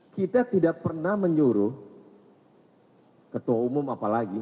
kita tidak pernah menyuruh ketua umum apalagi